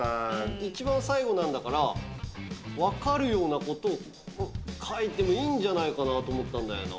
一番最後なんだから、分かるようなことを描いてもいいんじゃないかなと思ったんだよな。